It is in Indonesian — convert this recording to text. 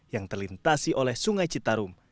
yang terlintasi oleh sungai citarum